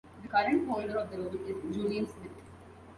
The current holder of the role is Julian Smith.